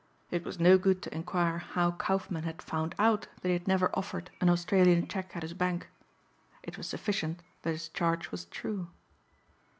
It was no good to inquire how Kaufmann had found out that he had never offered an Australian check at his bank. It was sufficient that his charge was true.